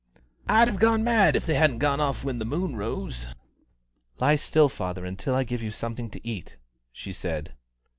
I'd have gone mad if they hadn't gone off when the moon rose." "Lie still, father, until I give you something to eat," she said.